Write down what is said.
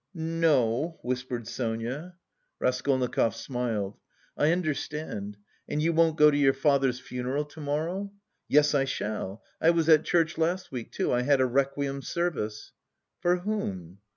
"N no," whispered Sonia. Raskolnikov smiled. "I understand.... And you won't go to your father's funeral to morrow?" "Yes, I shall. I was at church last week, too... I had a requiem service." "For whom?"